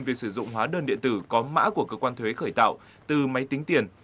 việc sử dụng hóa đơn điện tử có mã của cơ quan thuế khởi tạo từ máy tính tiền